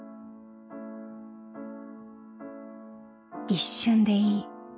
［一瞬でいい。